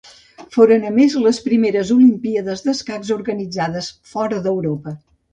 Foren a més les primeres olimpíades d'escacs organitzades fora d'Europa.